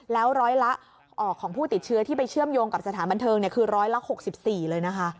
แล้วร้อยละออกของผู้ติดเชื้อที่ไปเชื่อมโยงกับสถานบันเทิงคือร้อยละ๖๔เลยนะคะ